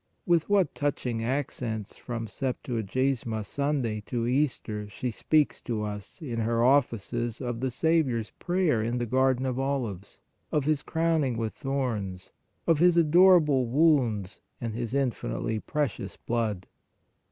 With what touching accents from Septuagesima Sunday to Easter she speaks to us in her Offices of the Saviour s prayer in the garden of olives, of His crowning with thorns, of His adorable wounds and His infinitely precious blood!